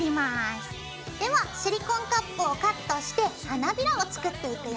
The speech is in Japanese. ではシリコンカップをカットして花びらを作っていくよ。